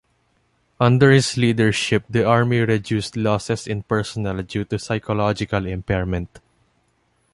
Under his leadership, the Army reduced losses in personnel due to psychological impairment.